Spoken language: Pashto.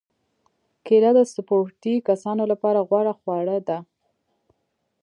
کېله د سپورتي کسانو لپاره غوره خواړه ده.